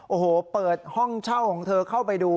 โอ้โหเปิดห้องเช่าของเธอเข้าไปดู